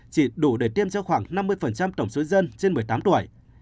chỉ đủ để tiêm cho khoảng năm mươi tổng số dân trên một mươi tám tuổi